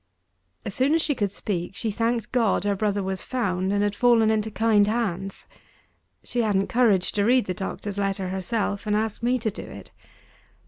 As soon as she could speak, she thanked God her brother was found, and had fallen into kind hands. She hadn't courage to read the doctor's letter herself, and asked me to do it.